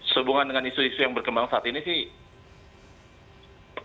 sehubungan dengan isu isu yang berkembang saat ini sih